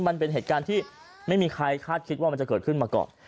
มันเป็นเหตุการณ์ที่ไม่มีใครคาดคิดว่ามันจะเกิดขึ้นมาก่อน